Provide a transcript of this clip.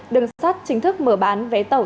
đường sắt chính thức mở bán vé tàu